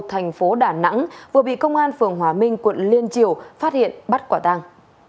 thành phố đà nẵng vừa bị công an phường hòa minh quận liên triều phát hiện bắt quả tàng